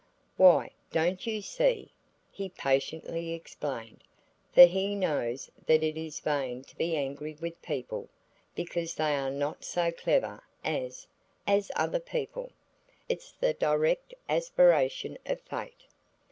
"Why, don't you see!" he patiently explained, for he knows that it is vain to be angry with people because they are not so clever as–as other people. "It's the direct aspiration of Fate.